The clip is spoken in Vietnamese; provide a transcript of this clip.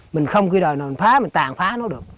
mình không cái đời nào phá mình tàn phá nó được